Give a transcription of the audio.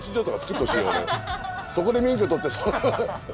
そこで免許取ってさ。